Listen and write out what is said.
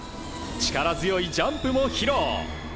力強いジャンプも披露。